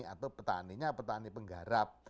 atau petaninya petani penggarap